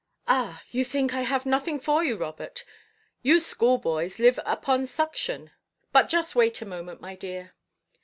"Ah, you think I have nothing for you, Robert. You school–boys live upon suction. But just wait a moment, my dear."